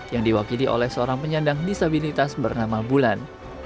yang diwakili oleh seorang penyandang disabilitas bernama bulan